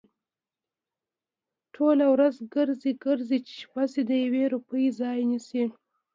ټوله ورځ گرځي، گرځي؛ چې شپه شي د يوې روپۍ ځای نيسي؟